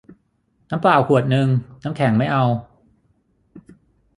น้ำเปล่าขวดนึง น้ำแข็งไม่เอา